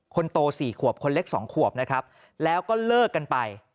คนโตสี่ขวบคนเล็กสองขวบนะครับแล้วก็เลิกกันไป